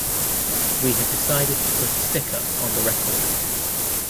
We have decided to put a sticker on the record.